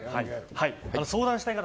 相談したい方